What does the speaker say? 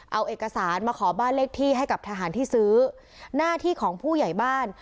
เอาเอกสารมาขอบ้านเลขที่ให้กับทหารที่ซื้อหน้าที่ของผู้ใหญ่บ้าน